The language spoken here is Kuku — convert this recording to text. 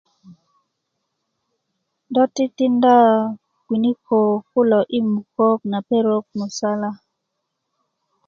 do titinda winiko i mukok na perok musala